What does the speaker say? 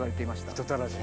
人たらし。